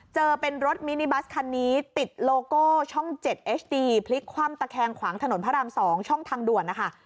เจอเป็นรถมินิบัสคันนี้ติดโลโก้ช่อง๗เอสดีพลิกคว่ำตะแคงขวางถนนพระราม๒ช่องทางด่วนนะคะ